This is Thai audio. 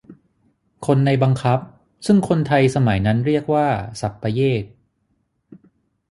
คนในบังคับ ซึ่งคนไทยสมัยนั้นเรียกว่า สัปเยก